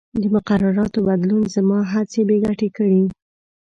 د مقرراتو بدلون زما هڅې بې ګټې کړې.